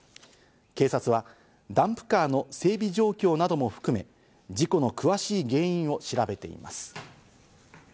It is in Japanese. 警察はダンプカーの整備状況なども含め、事故の詳しい原因を調べています。